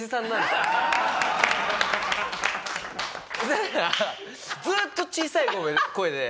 だからずーっと小さい声で。